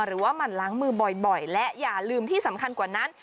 หมั่นล้างมือบ่อยและอย่าลืมที่สำคัญกว่านั้น